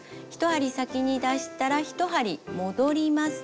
１針先に出したら１針戻ります。